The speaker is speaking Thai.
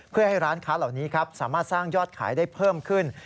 เพื่อให้ร้านค้าเหล่านี้ครับสามารถสร้างยอดขายได้เพิ่มขึ้น